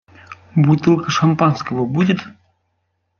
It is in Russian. Бутылка шампанского будет?